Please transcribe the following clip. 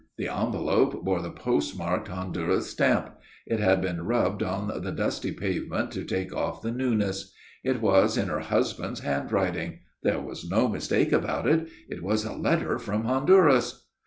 The envelope bore the postmarked Honduras stamp. It had been rubbed on the dusty pavement to take off the newness. It was in her husband's handwriting. There was no mistake about it it was a letter from Honduras.